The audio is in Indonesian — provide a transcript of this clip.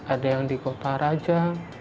ada yang di kota raja